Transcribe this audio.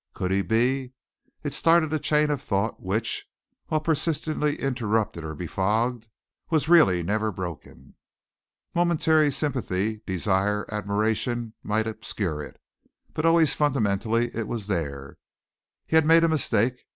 Could he be? It started a chain of thought which, while persistently interrupted or befogged, was really never broken. Momentary sympathy, desire, admiration, might obscure it, but always fundamentally it was there. He had made a mistake.